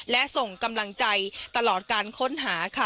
และส่งกำลังใจตลอดการค้นหาค่ะ